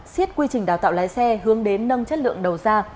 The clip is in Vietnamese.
xiết quy trình đào tạo lái xe hướng đến nâng chất lượng đầu ra